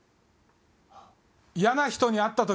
嫌な人に会った時。